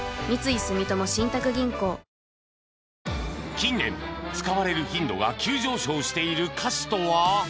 近年使われる頻度が急上昇している歌詞とは？